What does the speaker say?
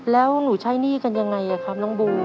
แล้วหนูใช้หนี้กันยังไงครับน้องบู